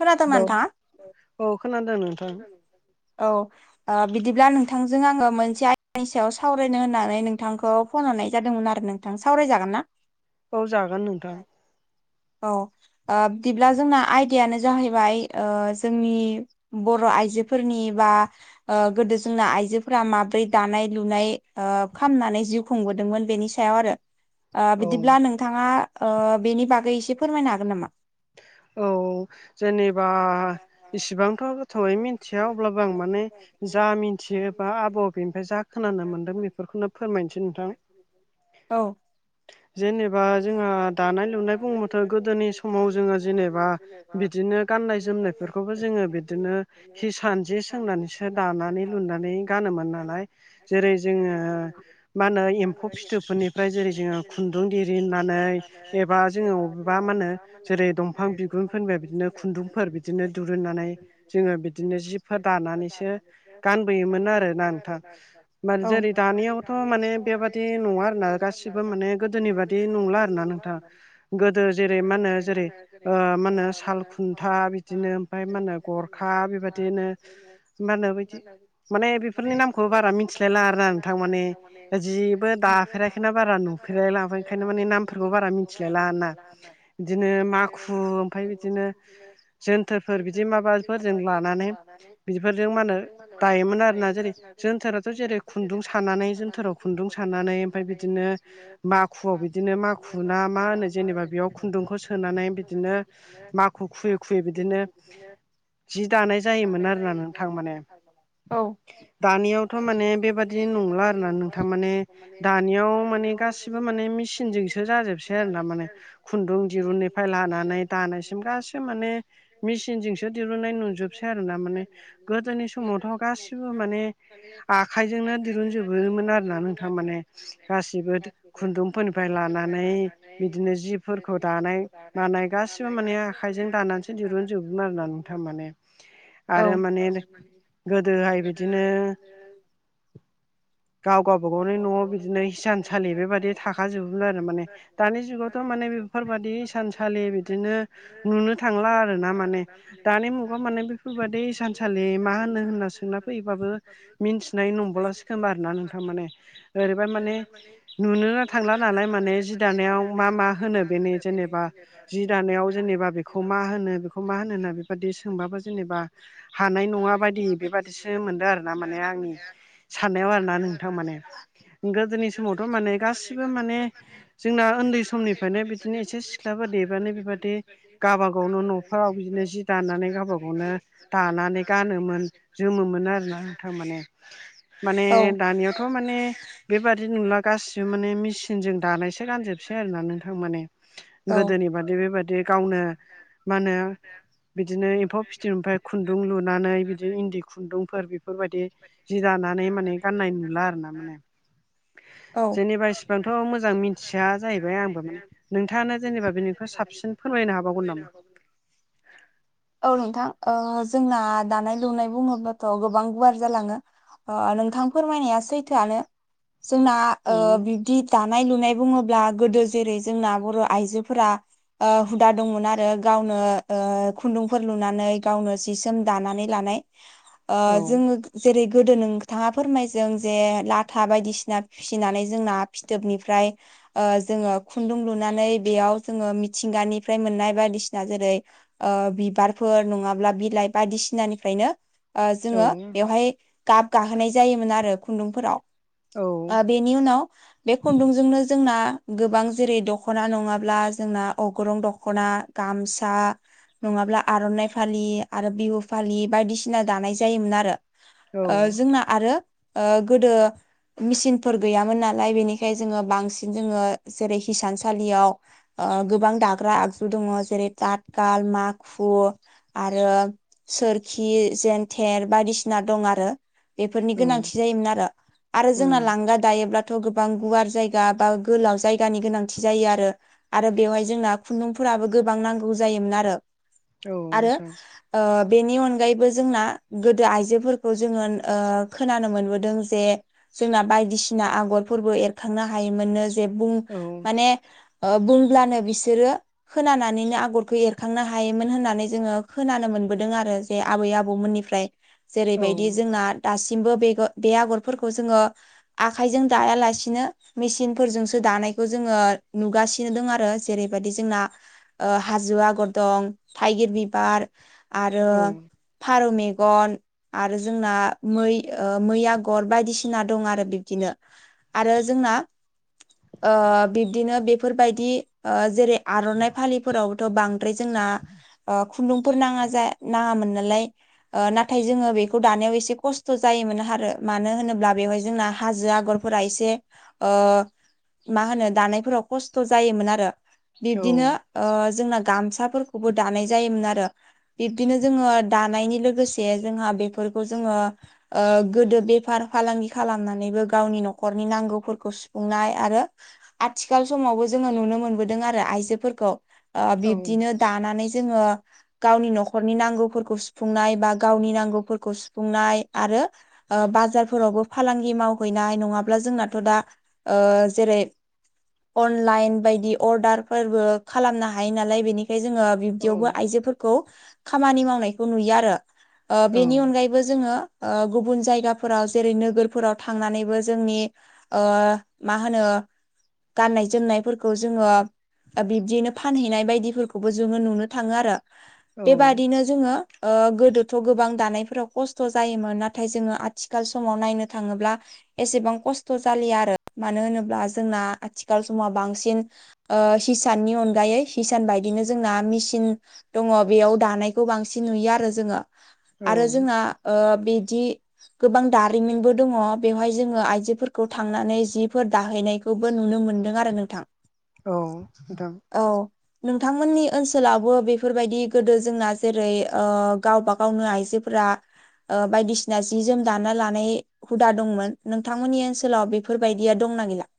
खोनादों ना नोंथाङा? औ ओ बिदिब्ला नोंथांजों आङो मोनसे आयदानि सायाव सावरायनो होननानै नोंथांखौ फन होनरनाय जादोंमोन आरो नों थां, सावराय जागोन ना? औ जागोन नोंथां औ ओ बिदिब्ला जोंना आइ दियानो जाहैबाय ओ जोंनि बर' आइजोफोरनि बा ओ गोदो जोंना आइजोफोरा माब्रै दानाय लुनाय ओ खामनानै जिउ फुंबोदोंमोन बेनि सायाव आरो ओ बिदिब्ला नोंथाङा ओ बेनि बागै इसे फोरमायनो हागोन नामा? औ जेनेब बा इसिबांथ' गोथौैयै मिन्थिया अब्लाबो आं माने जा मिन्थियो बा आब' बिनिफ्राय जा खोनानो मोन्दों बेफोरखौनो फोरमायनोसै नोंथां जेनेबा जोंहा दानाय लुनाय बुङोबाथ' गोदोनि समाव जोङो जेनेबा बिदिनो गाननाय जोमनायफोरखौबो जोङो बिदिनो हिसान जे सोंनानैसो दानानै लुनानै गानोमोन नालाय जेरै जोङो मा होनो एम्फौ फिथु फ्राय जेरै जोङो खुन्दुं दिरिनानै एबा जोङो अबेबा मा होनो जेरै दंफां बिगु [unintelligible] बिदिनो खुन्दुंफोर बिदिनो दुरुननानै जोङो बिदिनो जिफोर दानानैसो गानबोयोमोन आरोना नोंथां मार जेरै दानियावथ' माने बेबादि नङा आरोना गासि सिबो माने गोदोनि बादि नंला आरोना नोंथाङा गोदो जेरै मा होनो जेरै ओ ओ मा होनो साल खुन्था बिदिनो ओमफ्राय मा गफा बिदिनो [unintelligible] माने बिफोरनि नामखौ बारा मिन्थियाना [unintelligible] माने [unintelligible] बारा [unintelligible] बारा [unintelligible] बिदिनो माखु ओमफाय बिदिनो जोनथोरफोर बिदि माबाफोरजों लानानै बिफोरजों मा होनो दायोमोन आरोना जेरै जोनथोराथ' जेरै खुन्दुं सानानै जोनथोराव खुन्दुं सानानै ओमफाय बिदिनो माखुआव बिदिनो माखु ना मा होनो जेनेबा बेयाव खुन्दुंखौ सोनानै बिदिनो माखु खुयै खुयै बिदिनो जि दानाय जायोमोन आरोना नोंथां माने दानियाव थ' माने बेबादि नंग्ला आरो ना नोंथां माने दानियाव माने गासिबो माने मिसिनजोंस जो जाजोबसै आरो ना माने खुन्दुं दिरुननिफाय लानानै मायसिम गासै माने मिसिनजोंसो दिरुननाय नुजोबसै आरो ना माने गोदोनि समावथ' गासिबो माने आखाइजोंनो दिरुनजोबोयोमोन आरो ना नोंथां माने गासिबो खुन्दुंफोरनिफ्राय लानानै बिदिनो जिफोरखौ दानाय मानाय गा गासिबो माने आखाइजों दानानैसो दिरुनजोबोबो आरोना नोंथां माने आरो माने गोदोहाय बिदिनो गाव गावबा गावनि न'आव बिदिनो हिसानसालि बेबाददि थाखाजोबोबो आरो माने दानि जुगावथ' माने बे फोरबादि इसानसालि बिद दिनो नुनो थांला आरो ना माने दानि मुगाव माने बेफोरबायदि इसानसालि मा होनो होनना सोंना फैयोबाबो मिन्थिनाय नंबावलासि खोमा आरोना नोंथां माने ओरैबाय माने नुनोनो थांला नालाय माने जि दानायाव मा मा होनो बेनि जेनेबा जि दानायाव जेनेबा बेखौ मा होनो बेखौ मा होनो होनना बेबाददि सोंबाबो जेनेबा हानाय नङा बायदि बेबादिसो मोनदों आरो ना माने आंनि साननायाव आरो ना नोंथां मा माने गोदोनि समावथ' माने गासिबो माने जोंना उन्दै समनिफीयनो बिदिनो इसे सिख्ला बादि रानो बिबादि गाबा गावनो न'फोराव बिदिनो जि दानानानै गावबा गावनो दानानै गानोमोन जोमोमोन आरोना नोंथां माने माने दानियाव थ' माने बेबादि नुला गासिबो माने मिसिनजों दानायसो गानजोबसै आरो ना नोंथां माने औ बिबादि बिबादि गावनो मा होनो बिदिनो एम्फौ फिथोबनिफाय खुन्दुं लुनानै बिदि इन्दि खुन्दुंफोर बेफोरबायदि जि दानानै माने गाननाय नुला आरो ना माने जेनेबा इसिबांथ' मोजां मिन्थिया जाहैबाय आंबो माने नोंथाङानो जेनेबा निफ्राय साबसिन फोरमायनो हाबावगोन नामा? औ नोंथां ओ जोंना दानाय लुनाय बुङोब्लाथ' गो बां गुवार जालाङो नोंथां फोरमायनाया सैथोआनो। जोंना ओ बिब्दि दानाय लुनाय बुङोब्ला गोदो जेरै जोंना बर' आइजोफोरा ओ हुदा दंमोन आरो गावनो ओ खुन्दुंफोर लुनानै गावनो सि सोम दानानै लानाय। ओ जेरै गोदो नोंथाङा फोरमायजों जे लाथा बायदिसिना फिसिनानै जोंना फिथोबनिफ्राय ओ जोङो खुन्दुं लुनानै बेयाव जोङो मिथिंगानिफ्राय मोननाय बायदिसिना जेरै ओ बिबारफोर नङाब्ला बिलाइ बायदिसिनानिफ्रायनो ओ जोङो बेवहाय गाब गाहोनाय जायोमोन आरो खुन्दुंफोराव। ओ बेनि उनाव बे खुन्दुंजोंनो जोंना गोबां जेरै दख ख'ना नङाब्ला जोंना अग्रं दख'ना गामसा नङाब्ला आर'नाइ फालि आरो बिहु फालि बायदिसिना दानाय जायोमोन आरो। ओ जोंना आरो ओ गोदो मेचिनफोर गैयामोन नालाय बेनिखायनो जोङो बांसिन जोङो जेरै हिसानसालियाव ओ गोबां दाग्रा आगजु दङ जेरै दातताल माखु आरो सोरखि जेन्थेर बायदिसि बायदिसिना दं आरो बेफोरनि गोनांथि जायोमोन आरो आरो जोंना लांगा दायोब्लाथ' गोबां गुवार जायगा बा गोलाव जायगानि गोनांथि जायो आरो। आरो बेवहाय जोंना खुन्दुंफोराबो गोबां नांगौ जायोमोन आरो। आरो ओ बेनि अनगायैबो जोंना गोदो आइजो फोरखौ जोङो ओ खोनानो मोनबोदों जे जोंना बायदिसिना आगरफोरबो एरखांनो हायोमोननो जे बुं माने ओ बुंब्लानो बिसोरो खोनानानैनो आगरखौ एरखांनो हायोमोन होननानै जोङो खोनानो मोनबोदों आरो जे आबै आबौमोननिफ्राय। जेरैबायदि जोंना दासिमबो बे बे आगरफोरखौ जोङो आखाइजों दायालासिनो मेसिनफोरजोंसो दानायखौ जोङो नुगासिनो दं आरो जेरैबायदि जोंना ओ हाजो आगर दं थाइगिर बिबार आरो फारौ मेगन आरो जोंना मै ओ मै आगर बायदिसिना दं आरो बिबदिनो। आरो जोंना ओ बिब्दिनो बेफोरबायदि ओ जेरै आर'नाइ फालिफोरावथ' बांद्राय जोंना ओ खुन्दुंफोर नाङा जा नाङामोन नालाय ओ नाथाय जोङो बेखौ दानायाव एसे खस्थ' जायोमोन आरो मानो होनोब्ला बेवहाय जोंना हाजो आगरफोरा एसे ओ मा होनो दानायफोराव खस्थ' जायोमोन आरो बिब्दिनो ओ जोंना गामसाफोरखौबो दानाय जायोमोन आरो। बिब्दिनो जोङो दानायनि लोगोसे जोंहा बेफोरखौ जोङो ओ गोदो बेफार फालांगि खालामनानैबो गावनि न'खरनि नांगौफोरखौ सुफुंनाय आरो आथिखाल समावबो जोङो नुनो मोनबोदों आरो आइजोफोरखौ। ओ बिब्दिनो दानानै जोङो गावनि न'खरनि नांगौफोरखौ सुफुंनाय बा गावनि नांगौफोरखौ सुफुंनाय आरो ओ बाजारफोरावबो फालांगि मावहैनाय नङाब्ला जोंनाथ' दा ओ जेरै अनलाइन बायदि अर्डारफोरबो खालामनो हायो नालाय बेनिखाय जोङो बिब्दियावबो आइजोफोरखौ खामानि मावनायखौ नुयो आरो ओ बेनि अनगायैबो जोङो ओ गुबुन जायगाफोराव जेरै नोगोरफोराव थांनानैबो जोंनि ओ मा होनो गाननाय जोमनायफोरखौ जोङो ओ बिब्दियैनो फानहैनाय बायदिफोरखौबो जोङो नुनो थाङो आरो। बेबादिनो जोङो ओ गोदो थ' गोबां दानायफोराव खस्थ' जायोमोन। नाथाय जोङो आथिखाल समाव नायनो थाङोब्ला एसेबां खस्थ' जालिआ आरो मानो होनोब्ला जोंना आथिखाल समाव बांसिन ओ हिसाननि अनगायै हिसान बायदिनो जोंना मेसिन दङ बेयाव दानायखौ बांसिन नुयो आरो जोङो। आरो जोंहा ओ बिदि गोबां दारिमिनबो दङ बेवहाय जोङो आइजोफोरखौ थांनानै जिफोर दाहैनाय खौबो नुनो मोन्दों आरो नोंथां। औ नोंथां। औ नोंथांमोननि ओनसोलावबो बेफोरबायदि गोदो जोंना जेरै ओ गावबा गावनो आइजोफोरा बायदिसिना जि जोम दाना लानाय हुदा दंमोन। नोंथांमोननि ओनसोलाव बेफोरबायदिया दंना गैला?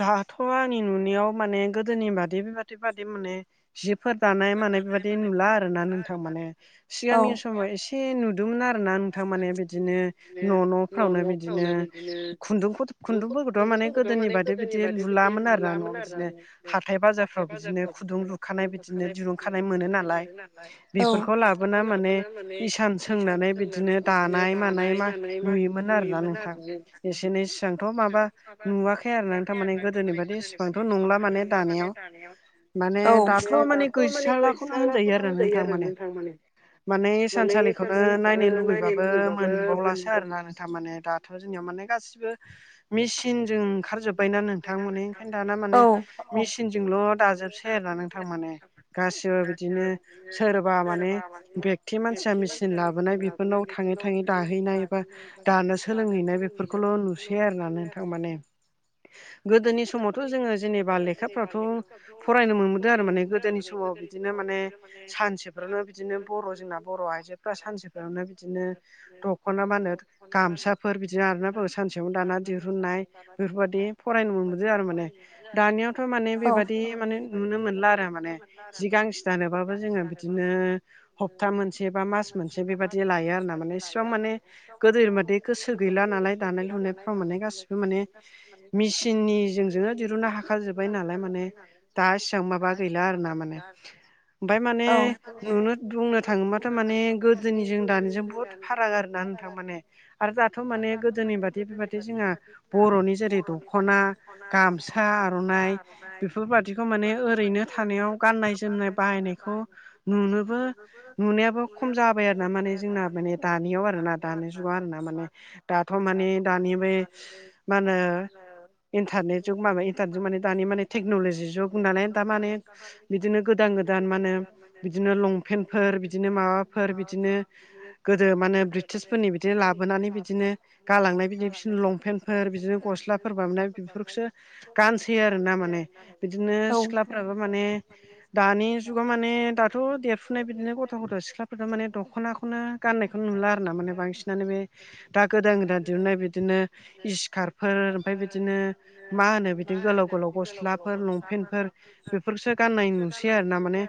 दाथ' आंनि नुनायाव माने गोदोनि बादि बेबादि बादि माने जिफोर दानाय मानाय बेबायाददि नुला आरो ना नोंथां माने सिगांनि समाव ए से नुदोंमोन आर ना नोंथां माने बिदिनो न' न'फ्रावनो बिदिनो खुन्दुंखौ' खुन्दुंबो गोद'आ मान गोदोनि बादि बिदि लुलामलामोन आरो ना न'आव बिदिनो हाथाय बाजारफ्राव बिदिनो खुदुं लुखानाय बिदि बिदिनो दिरुंखानाय मोनो नालाय। बेफोरखौ लाबोना माने इसान सोंनानै बिदिनो दानाय मानाय मा नुयोमोन आरोना नोंथां एसे एनै सिगांथ' माबा नुवाखै आरो नोंथां माने गोदोनि बायि इसेबांथ' नंला माने दानायाव माने दाथ' माने गैस्रालाखौनो होनजायो आरोना नोंथां माने। माने हेसानसालिखौनो नायनो लुुबैबाबो मोनबावलासो आरोना। थामाने दाथ' जोंनियाव माने गासिबो मेसिन जों ओंखारजोब्बायना नोंथां माने ओंखायनो दाना माने मेसिनजोंल' दाजोबसै आरो ना नोंथां माने। गासिबो बिदिनो सोरबा माने बेक्ति मानसिया मेसिन लाबोनाय बे फोरनाव थाङै-थाङै दाहैनाय बा दानो सोलोंहैनाय बेफोरखौल' नुसै आरोना नोंथां माने। गोदोनि समावथ' जोङो जेनेबा लेखाफ्र्राथ' फरायनो मोनबोदों आरो माने गोदोनि समाव बिदिनो माने सानसेफोरावनो बिदिनो बर' जोंना बर' आइजोफ्रा सानसेफोरावनो बिदिनो दख'ना मा होनो गामसाफोर बिदिनो आरोना सानसेयावनो दाना दिहुननाय बेफोरबायाददि फरायनो मोनबोदो आरो माने दानियावथ' माने बेबादि माने नुनो मोनला आरो माने। जि गांसे दानोबाबो जोङो बिदिनो हप्ता मोनसे बा मास मोन से बेबायादि लायो आरो ना। माने इसिबां माने गोदो मादोनि बादि गोसो गैला नालाय दानाय लुनाय फ्राव माने गासिबो माने [unintelligible] [inaudible] [inaudible] [unintelligible] [unintelligible] [inaudible] ओमफाय माने नुनो बुंनो थाङोबाथ' माने गोदोनि जों दानिजों बुहुत फाराग आरो ना नोंथां माने। आरो दाथ' माने गोदोनि बादि बेबादि जोंहा बर'नि जेरै दख'ना, गामसा, आर'नाइ बेफोरबादिखौ माने ओरैनो थानायाव गाननाय जोमनाय बाहायनायखौ नुनोबो नुनायाबो खम जाबाय आरो ना माने जोंना माने दानियाव आरो ना दानि जुगाव आरो ना माने दा थ' माने दानि बे मानो इन्टारनेट जुग माबा इन्टारने ज माने दानि माने टेक्न'लजि जुग नालाय दा माने बिदिनो गोदान-गोदान मा होनो बिदिनो लंपेन्टफोर बिदिनो माबाफोर बिदिनो गोदो माने ब्रिटिसफोरनि बिदिनो लाबोनानै बिदिनो गालांनाय बिदि बिसोर लंपेन्टफोर बिदिनो गस्लाफोर बामाने बेफोरखौसो गानसैयो आरोना माने बिदिनो सिख्लाफ्राबो माने दानि जुगाव माने दाथ' देरफुनाय बिदिनो गथ'-गथ' सिख्लाफोरनो माने दख'नाखौनो गाननायखौ नुला आरो ना माने बांसिनानो बे दा गोदान-गोदान दिहुननाय बिदिनो इसकार फोर ओमफाय बिदिनो मा होनो बिदिनो गोलाव-गोलाव गस्लाफोर लंपेन्टफोर बेफोरखौसो गाननाय नुसै आरो ना माने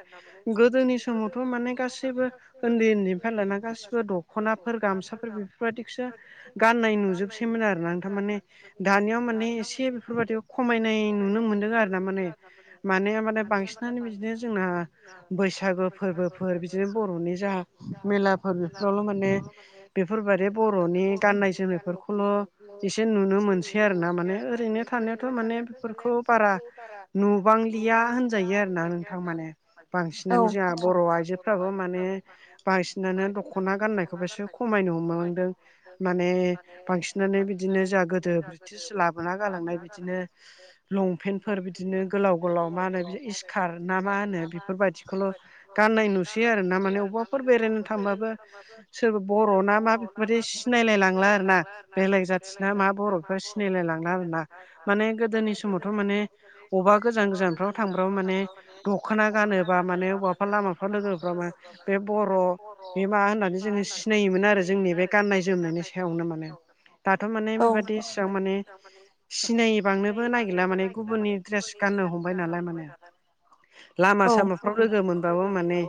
गोदोनि समावथ' माने गासैबो उन्दै उन्दैनिफ्राय लानानै गाैबो दख'नाफोर गामसाफोर बेफोरबायदिखौसो गाननाय नुजोबसैमोन आरो ना थारमाने दानियाव माने एसे बेफोरबाददिखौ खमायनाय नुनो मोनदों आरो ना माने माने माने बांसिनानो बिदिनो जोंना बैसागु फोरबोफोर बिदिनो बर'नि जा मेलाफोर बेफोरावल' माने बेफोरबादि बर'नि गाननाय जोमनायफोरखौल' औ नुनो मोनसै आरो ना माने ओरैनो थानायावथ' माने बेफोरखौ बारा नु गोबांलिया होनजायो आरोना नोंथां माने बांसिनानो जोंहा बर' आइजोफ्राबो माने बांसिनानो दख'ना गाननायखौबोसो खमायनो हमलांदों माने बांसिनानो बिदि बिदिनो जा गोदो बृटिश लाबोना गालांनाय बिदिनो लंपेफोर बिदिनो गोलाव गोलाव मा होनो बि खार ना मा होनो बेफोरबायदिखौल' गाननाय नुसै आरो ना माने अबावबाफोर बेरायनो थांबाबो सोरबा बर'ना मा बेफोरबायदि सिनायलाय लांला आरो ना बेलेग जाथिना मा बर'फा सिनायलाय लांला आरोना माने गोदोनि समावथ' माने अबेबा गोजान गोजानफ्राव थांबाबो माने दख'ना गानोबा माने हबवबाफ्रा लामाफ्रा लोगोफ मा बे बर' बे माबा होननानै जोङो सिनायोमोन आरो जोंनि बे गाननाय जोमनायनि सायावनो माने दाथ' माने बेबादि माने सिनाय बांनोबो नागिरला माने गुबुननि ड्रेस गाननो हमबाय नालाय माने आरो लामा सामाफ्राव लोगो मोनबाबो माने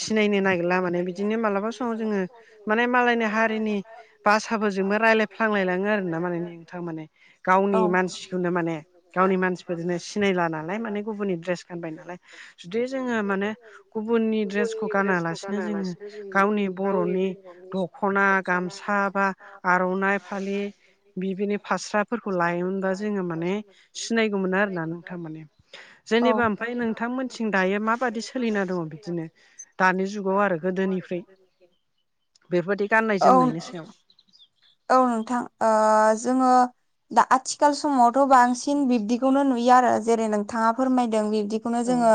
सिनायनो नागिरला माने बिदिनो मालाबा समाव जोङो माने मालायनि हारिनि भासाफोरजोंबो रायज्लायफ्लांलायलाङो आरोना माने थां माने गावनि मानसिखौनो माने गावनि मानसिफोरजोंनो सिनायला नालाय माने गुबुननि दड्रेस गानबाय नालाय जुदि जोङो माने गुबुननि दड्रेसखौ गानालासिनो जोङो गावनि बर'नि दख'ना गामसा बा आर'नाइ खालि बिदिनो फास स्राफोरखौ लायोमोनबा जोङो माने सिनायगौमोन आरो ना नोंथां माने जेनेबा ओमफ्राय नोंथांमोनथिं दायो माबादि सोलिना दङ बिदिनो दानि जुगाव आरो गोदोनिफ्राय [unintelligible] बेबादि गाननाय जोमनायनि सायाव औ नोंथां जोङो दा आथिखाल समावथ' बांसिन बिब्दिखौनो नुयो आरो जेरै नोंथाङा फोरमायदों बि बिदिखौनो जोङो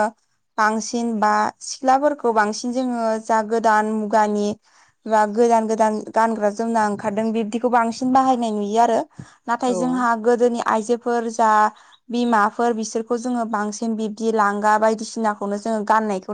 बांसिन बा सिख्लाफोरखौ बांसिन जोङो जा गोदान मुगानि गोदान गोदान गानग्रा जोमना ओंखारदों बिबदिखौ बांसिन बाहायनाय नुयो आरो नाथाय जोंहा गोदोनि आइजोफोर जा बिमाफोर बिसोरखौ जोङो बांसिन बिबदि लांगा बायदिसिनाखौनो जोङो गाननायखौ